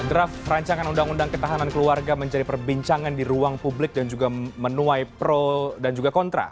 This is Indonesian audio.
draft rancangan undang undang ketahanan keluarga menjadi perbincangan di ruang publik dan juga menuai pro dan juga kontra